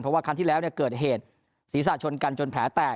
เพราะว่าครั้งที่แล้วเนี่ยเกิดเหตุศรีสะยนต์ชนกันจนแผลแตก